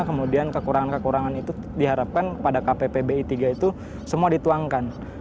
kemudian kekurangan kekurangan itu diharapkan pada kppbi tiga itu semua dituangkan